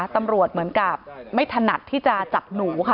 เหมือนกับไม่ถนัดที่จะจับหนูค่ะ